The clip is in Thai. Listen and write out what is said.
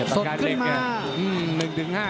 สดขึ้นมา